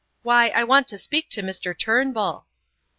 Why, I want to speak to Mr. Turnbull."